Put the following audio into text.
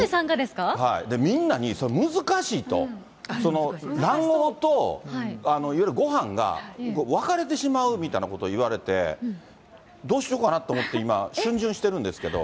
みんなに、難しいと、卵黄といわゆるごはんが分かれてしまうみたいなことを言われて、どうしようかなと思って、今、逡巡してるんですけど。